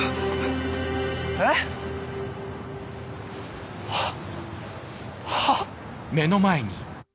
えっ？はっ？